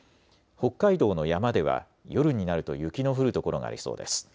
北海道の山では夜になると雪の降る所がありそうです。